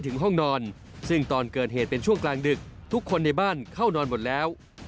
ห้องนอนซึ่งตอนเกิดเหตุเป็นช่วงกลางดึกทุกคนในบ้านเข้านอนหมดแล้ว